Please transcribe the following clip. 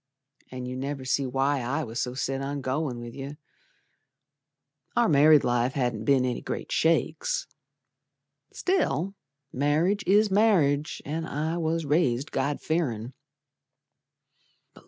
An' you never see why I was so set on goin' with yer, Our married life hadn't be'n any great shakes, Still marriage is marriage, an' I was raised God fearin'.